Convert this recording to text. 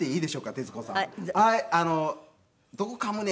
徹子さん